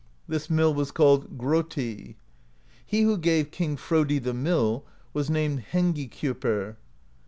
This mill was called Grotti. He who gave King Frodi the mill was named Hen gikjoptr.